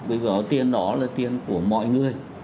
bởi vì tiền đó là tiền của mọi người